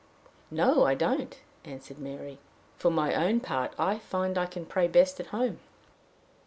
"No, I don't," answered Mary. "For my own part, I find I can pray best at home."